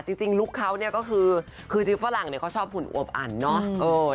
จริงหลุกเขาเนี่ยก็คือคือจริงฝรั่งเขาชอบผลอวบอันเนอะ